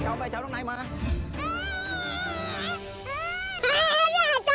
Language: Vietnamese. mẹ cháu mẹ cháu lúc này mà